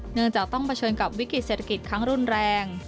เนื่องจากต้องเผชิญกับวิกฤติเศรษฐกิจครั้งรุนแรง